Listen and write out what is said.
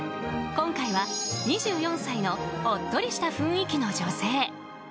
今回は２４歳のおっとりした雰囲気の女性。